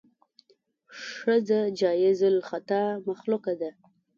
ښځه جایز الخطا مخلوقه ده.